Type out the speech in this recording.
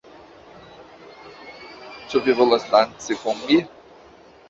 Ĉu vi volas danci kun mi?